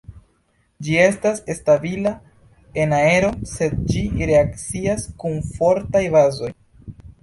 Ĝi estas stabila en aero sed ĝi reakcias kun fortaj bazoj.